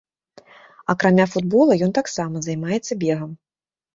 Акрамя футбола, ён таксама займаецца бегам.